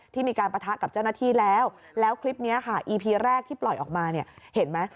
ที่มีการปะทะกับเจ้าหน้าที่แล้วแล้วคลิปนี้ค่ะอีพีแรกที่ปล่อยออกมาเนี่ยเห็นไหม